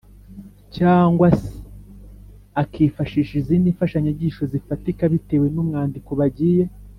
cyangwa se akifashisha izindi fashanyigisho zifatika bitewe n’umwandiko bagiye